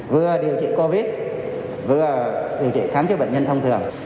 vừa điều trị covid vừa điều trị khám chữa bệnh nhân thông thường